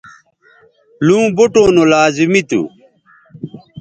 لوں بوٹوں نو لازمی تھو